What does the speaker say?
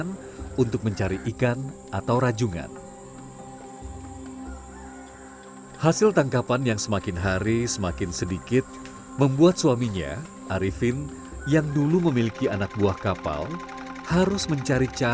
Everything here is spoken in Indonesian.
nurika mengerjakan semua pekerjaan yang juga dilakukan suaminya